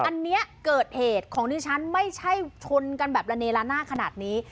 อันนี้เกิดเหตุของดิฉันไม่ใช่ชนกันแบบละเนละหน้าขนาดนี้